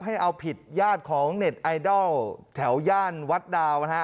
ให้เอาผิดญาติของเน็ตไอดอลแถวย่านวัดดาวนะฮะ